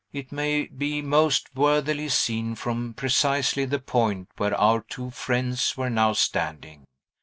It may be most worthily seen from precisely the point where our two friends were now standing.